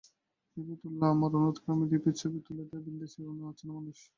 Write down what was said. রিপি তুলল আমার, অনুরোধক্রমে রিপির ছবি তুলে দেয় ভিনদেশের কোনো অচেনা মানুষ।